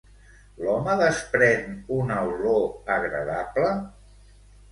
L'home desprèn una olor agradable?